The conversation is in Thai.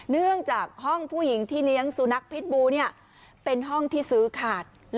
เนื่องจากห้องผู้หญิงที่เลี้ยงสุนัขพิษบูเนี่ยเป็นห้องที่ซื้อขาด